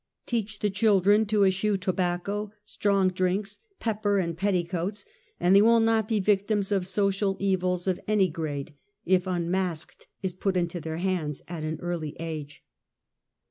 Teach the children to eschew tohacco, strono drinks, pepper and petticoats, and they will not be ^victims of social evils of any grade if Unmasked is put into their hands at an early age.